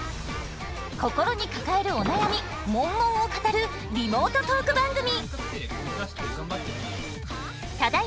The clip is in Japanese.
心に抱えるお悩みモンモンを語るリモートトーク番組！